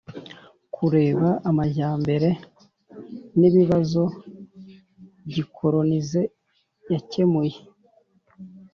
- kureba amajyambere n'ibibazo gikolonize yakemuye